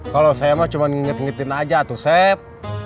kalau saya mah cuma ngingetin ngetin aja tuh sep